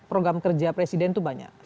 program kerja presiden itu banyak